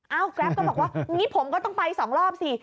เอ้าแกร็ปก็บอกว่างี้ผมก็ต้องไปสองรอบสิ